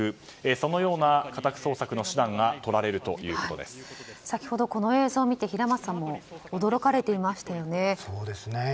そのような家宅捜索の手段が先ほど、この映像を見て平松さんも驚かれていましたね。